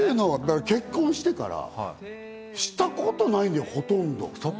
結婚してからしたことがないのよ、ほとんど。